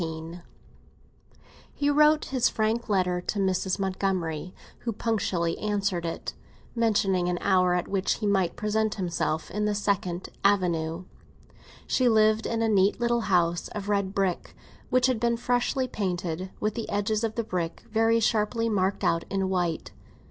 XIV HE wrote his frank letter to Mrs. Montgomery, who punctually answered it, mentioning an hour at which he might present himself in the Second Avenue. She lived in a neat little house of red brick, which had been freshly painted, with the edges of the bricks very sharply marked out in white.